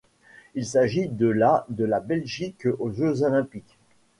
Il s'agit de la de la Belgique aux Jeux olympiques.